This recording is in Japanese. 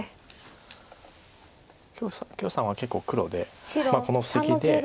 許さんは結構黒でこの布石で。